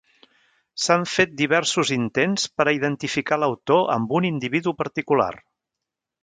S'han fet diversos intents per a identificar l'autor amb un individu particular.